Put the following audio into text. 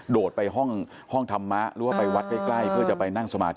โดดไปห้องธรรมะหรือว่าไปวัดใกล้เพื่อจะไปนั่งสมาธิ